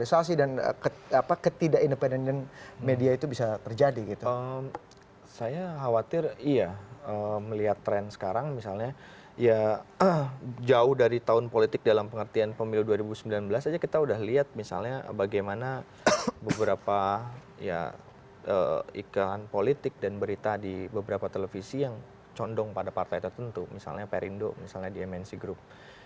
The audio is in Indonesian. saya khawatir iya melihat tren sekarang misalnya jauh dari tahun politik dalam pengertian pemilu dua ribu sembilan belas saja kita sudah lihat misalnya bagaimana beberapa iklan politik dan berita di beberapa televisi yang condong pada partai tertentu misalnya perindo misalnya di mnc group